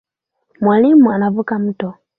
Mwalimu anavuka mto